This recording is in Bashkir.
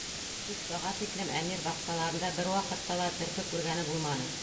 Тик быға тиклем Әмир баҡсаларында бер ваҡытта ла терпе күргәне булманы.